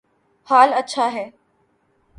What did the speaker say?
حال اچھا ہے